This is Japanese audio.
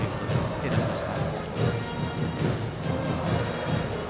失礼いたしました。